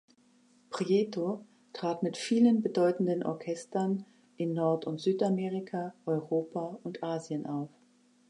Prieto trat mit vielen bedeutenden Orchestern in Nord- und Südamerika, Europa und Asien auf.